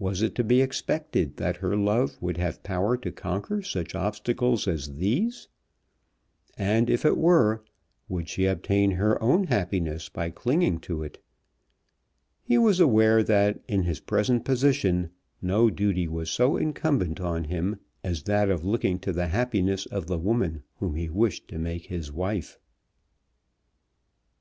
Was it to be expected that her love would have power to conquer such obstacles as these? And if it were, would she obtain her own happiness by clinging to it? He was aware that in his present position no duty was so incumbent on him as that of looking to the happiness of the woman whom he wished to make his wife.